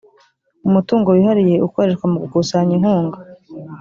umutungo wihariye ukoreshwa mu gukusanya inkunga